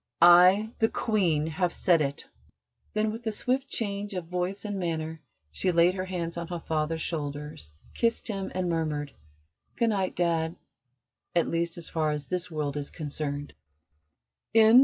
I, the Queen, have said it!" Then, with a swift change of voice and manner, she laid her hands on her father's shoulders, kissed him, and murmured: "Good night, Dad at least as far as this world is concerned."